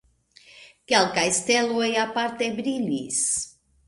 Kelkaj steloj aparte brilis.